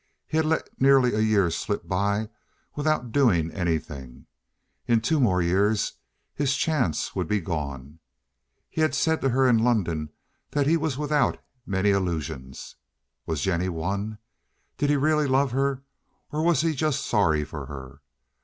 He had let nearly a year slip by without doing anything. In two more years his chance would be gone. He had said to her in London that he was without many illusions. Was Jennie one? Did he really love her, or was he just sorry for her?